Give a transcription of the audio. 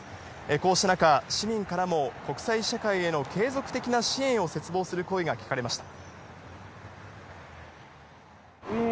こうした中、市民からも国際社会への継続的な支援を切望する声が聞かれました。